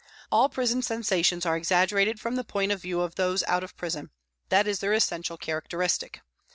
All prison sensations are exaggerated from the point of view of those out of prison, that is their essen tial characteristic.